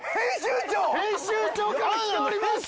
編集長から来ております！